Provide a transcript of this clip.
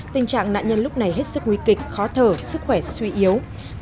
tình trạng nạn nhân lúc này hết sức nguy kịch khó thở sức khỏe suy yếu